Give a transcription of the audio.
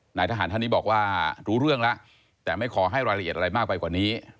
นายทหารท่านนี้บอกว่ารู้เรื่องแล้วแต่ไม่ขอให้รายละเอียดอะไรมากไปกว่านี้